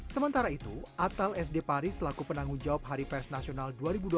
sementara itu atal sd paris selaku penanggung jawab hari pers nasional dua ribu dua puluh